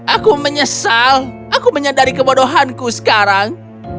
aku menyesal aku menyadari kebodohanku sekarang